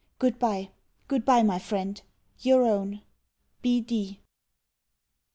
Good bye, good bye, my friend Your own B. D.